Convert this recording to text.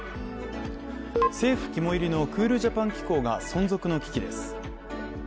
政府肝いりのクールジャパン機構が存続の危機です。